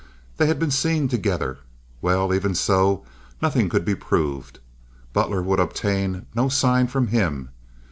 They had been seen together. Well, even so, nothing could be proved. Butler would obtain no sign from him.